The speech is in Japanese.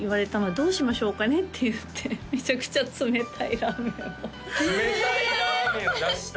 「どうしましょうかね」って言ってめちゃくちゃ冷たいラーメンを冷たいラーメンを出した？